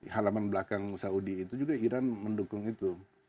halaman belakang saudi itu juga iran mendukung itu